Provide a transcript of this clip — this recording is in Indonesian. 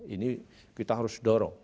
ini kita harus dorong